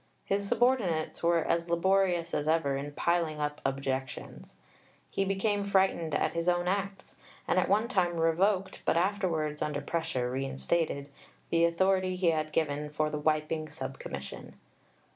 His subordinates were as laborious as ever in piling up objections. He became frightened at his own acts, and at one time revoked (but afterwards, under pressure, reinstated) the authority he had given for the Wiping Sub Commission.